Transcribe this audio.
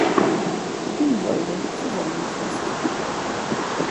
Grünwalde zusammengefasst.